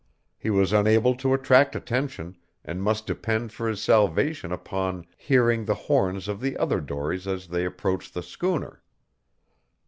He was unable to attract attention, and must depend for his salvation upon hearing the horns of the other dories as they approached the schooner.